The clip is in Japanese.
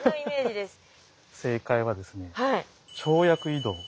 正解はですね跳躍移動。